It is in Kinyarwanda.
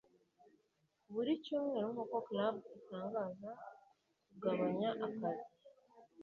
buri cyumweru nkuko club itangaza kugabanya akazi